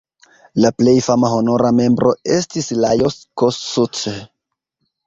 La plej fama honora membro estis Lajos Kossuth.